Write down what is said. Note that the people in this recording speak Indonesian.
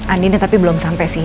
andinnya tapi belum sampe sih